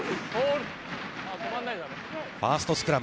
ファーストスクラム。